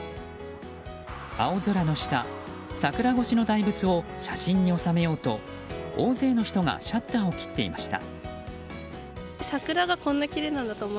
青空の下、桜越しの大仏を写真に収めようと大勢の人がシャッターを切っていました。